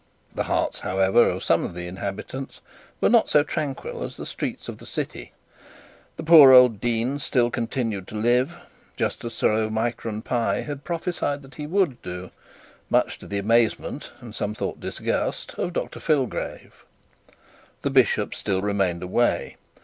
The hearts, however, of some of the inhabitants were not so tranquil as the streets of the city. The poor old dean still continued to live, just as Sir Omicron had prophesied that he would do, much to amazement, and some thought, disgust, of Dr Fillgrave. The bishop still remained away.